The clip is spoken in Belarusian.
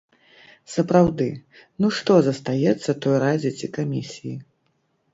Сапраўды, ну што застаецца той радзе ці камісіі?